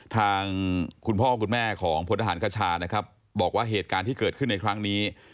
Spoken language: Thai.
ทางคุณพ่อคุณแม่ของพลทหารคชานะครับบอกว่าเหตุการณ์ที่เกิดขึ้นในครั้งนี้